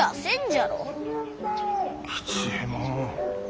吉右衛門。